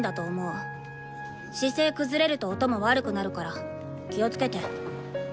姿勢崩れると音も悪くなるから気を付けて。